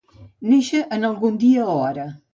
Néixer en algun dia o hora.